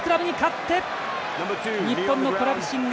日本のコラプシング。